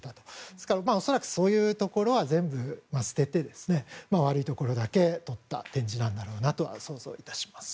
ですから、恐らくそういうところは全部捨てて悪いところだけとった展示だとは想像致します。